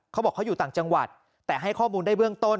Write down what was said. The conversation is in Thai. เขาบอกเขาอยู่ต่างจังหวัดแต่ให้ข้อมูลได้เบื้องต้น